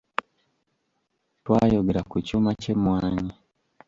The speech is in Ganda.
Twayogera ku kyuma ky'emmwanyi.